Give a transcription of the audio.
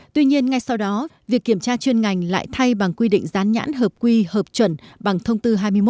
tuy nhiên ngay sau đó việc kiểm tra chuyên ngành lại thay bằng quy định gián nhãn hợp quy hợp chuẩn bằng thông tư hai mươi một